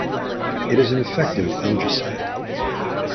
It is an effective algaecide.